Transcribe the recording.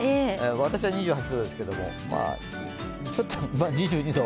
私は２８度ですけども、ちょっと２２度。